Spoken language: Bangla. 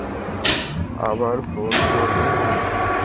আবার ফোন করবে ও?